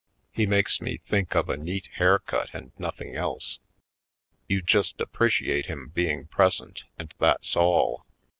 He makes me think of a neat haircut and nothing else. You just appreciate him being present and that's all.